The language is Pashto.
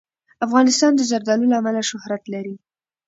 افغانستان د زردالو له امله شهرت لري.